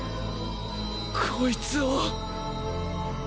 こいつを。